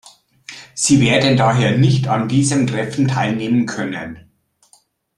Sie werden daher nicht an diesem Treffen teilnehmen können.